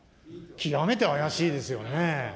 極めて怪しいですよね。